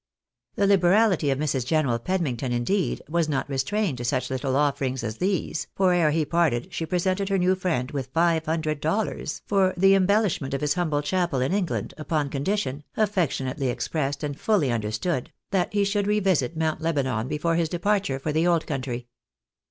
The HberaUty of ISIrs. General Pedmington, indeed, was not restrained to such Httle offerings as these, for ere he parted she presented her new friend with five hundred dollars for the embellishment of his humble chapel in England, upon condition, affectionately expressed and fuUy under stood, that he should revisit Mount Lebanon before his departure for the old country.